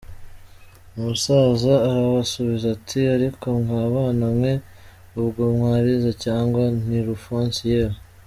Umusaza arabasubiza ati "Ariko mwa bana mwe ubwo mwarize cyangwa ? Ni Rufonsi yewe.